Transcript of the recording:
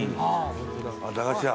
駄菓子屋。